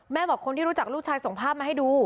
บอกคนที่รู้จักลูกชายส่งภาพมาให้ดู